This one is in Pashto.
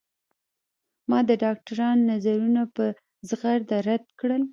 ما د ډاکترانو نظرونه په زغرده رد کړل.